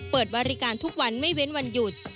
เปิดบริการทุกวันไม่เว้นวันหยุด